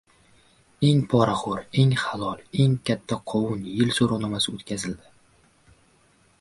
Eng poraxo‘r, eng halol, eng katta «qovun» — yil so‘rovnomasi o‘tkazildi